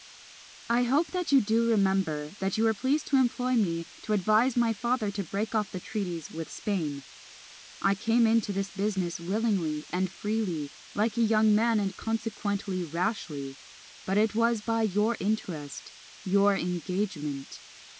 I hope that you do remember that you were pleased to employ me to advise my father to break off the treaties (with Spain). I came into this business willingly and freely, like a young man, and consequently rashly; but it was by your interest your engagement.